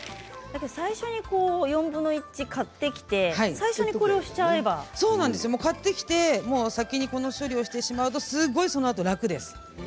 最初に４分の１買って最初買ってきて先にこの処理をしてしまうとそのあと楽です。